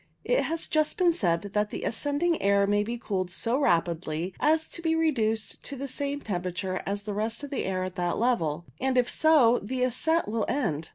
It has just been said that the ascending air may be cooled so rapidly as to be reduced to the same temperature as the rest of the air at that level, and if so the ascent will end.